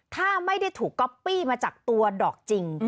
ถ้าไม่ได้ถูกก๊อปปี้มาจากตัวดอกจริง